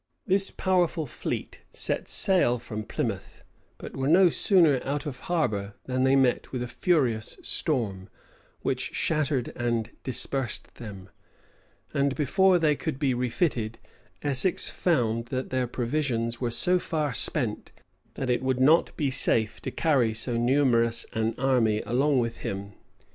This powerful fleet set sail from Plymouth; but were no sooner out of harbor than they met with a furious storm, which shattered and dispersed them; and before they could be refitted, Essex found that their provisions were so far spent, that it would not be safe to carry so numerous an army along with him.